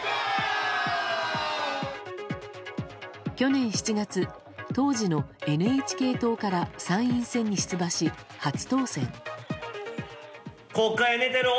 去年７月、当時のＮＨＫ党から参院選に出馬し、初当選。